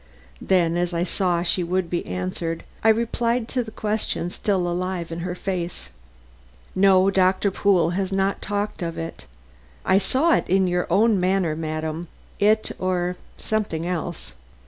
Then as I saw she would be answered, I replied to the question still alive in her face: "No; Doctor Pool has not talked of you. I saw it in your own manner, madam; it or something else.